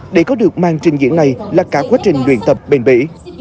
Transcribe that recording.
để có được màn trình diễn này là cả quá trình luyện tập bền bỉ